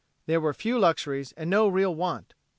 There were few luxuries and no real want.